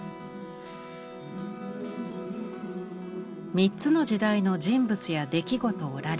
３つの時代の人物や出来事を羅列。